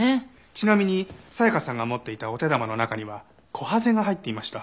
ちなみに紗香さんが持っていたお手玉の中にはコハゼが入っていました。